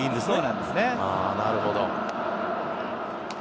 なるほど。